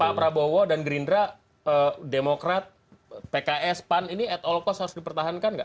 pak prabowo dan gerindra demokrat pks pan ini at all cost harus dipertahankan nggak